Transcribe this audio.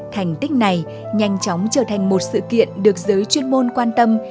thành tích này nhanh chóng trở thành một sự kiện được giới chuyên môn quan tâm